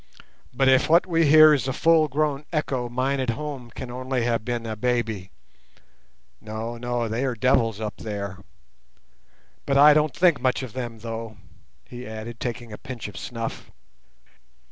But if what we hear is a full grown echo, mine at home can only have been a baby. No, no—they are devils up there. But I don't think much of them, though," he added, taking a pinch of snuff.